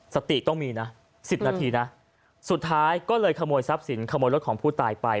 สติต้องมีนะ๑๐นาทีนะสุดท้ายก็เลยขโมยทรัพย์สินขโมยรถของผู้ตายไป